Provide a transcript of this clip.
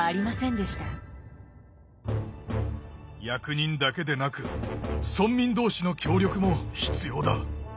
役人だけでなく村民同士の協力も必要だ！